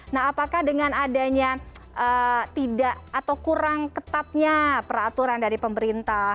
nah apakah dengan adanya tidak atau kurang ketatnya peraturan dari pemerintah